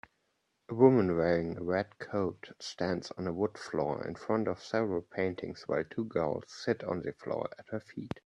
A woman wearing a red coat stands on a wood floor in front of several paintings while two girls sit on the floor at her feet